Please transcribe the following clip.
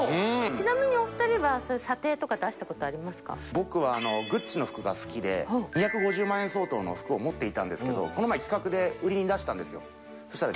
ちなみにお２人は、査定とか僕は、グッチの服が好きで、２５０万円相当の服を持っていたんですけど、この前、企画で売りに出したんですよ。